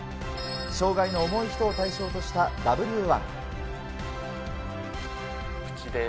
障がいの重い人を対象にしたＷ１。